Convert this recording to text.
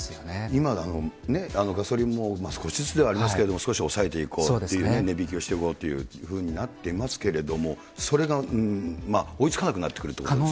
今、ガソリンも少しずつではありますけれども、少し抑えていこうという、値引きをしていこうというふうになっていますけれども、それが追いつかなくなってくるということですね。